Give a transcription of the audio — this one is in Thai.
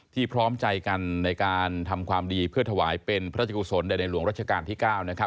พร้อมใจกันในการทำความดีเพื่อถวายเป็นพระราชกุศลแด่ในหลวงรัชกาลที่๙นะครับ